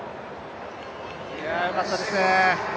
良かったですね。